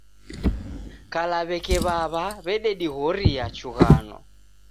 Kala w'eke w'aw'a w'ededighoria chughano.